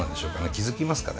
気付きますかね